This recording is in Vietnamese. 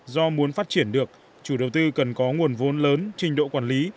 do muốn phát triển được chủ đầu tư cần có nguồn vốn lớn trình độ quản lý